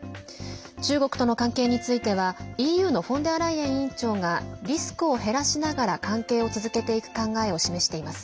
中国との関係については、ＥＵのフォンデアライエン委員長がリスクを減らしながら関係を続けていく考えを示しています。